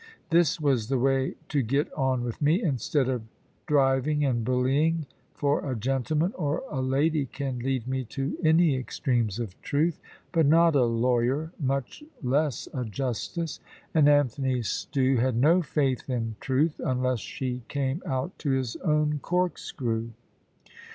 This was the way to get on with me, instead of driving and bullying; for a gentleman or a lady can lead me to any extremes of truth; but not a lawyer, much less a justice. And Anthony Stew had no faith in truth, unless she came out to his own corkscrew.